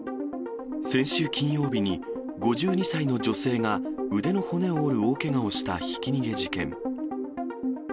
先週金曜日に、５２歳の女性が腕の骨を折る大けがをしたひき逃げ事件。